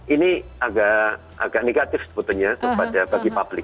ini agak negatif sebetulnya bagi publik